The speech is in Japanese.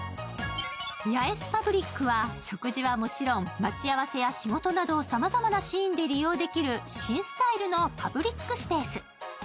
ヤエスパブリックは食事はもちろん、待ち合わせや仕事など、さまざまなシーンで利用できる新スタイルのパブリックスペース。